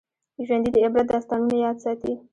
ژوندي د عبرت داستانونه یاد ساتي